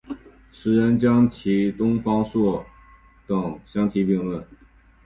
时人将其与东方朔等相提并比。